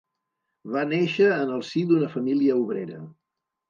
Va néixer en el si d'una família obrera.